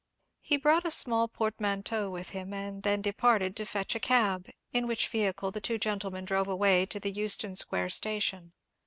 He brought a small portmanteau with him, and then departed to fetch a cab, in which vehicle the two gentlemen drove away to the Euston Square station.